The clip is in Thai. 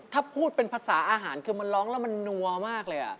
ถ้าพูดเป็นภาษาอาหารคือมันร้องแล้วมันนัวมากเลย